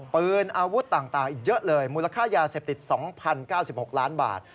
ปืนอาวุธต่างอีกเยอะเลยมูลค่ายาเสพติด๒๐๙๖ล้านบาท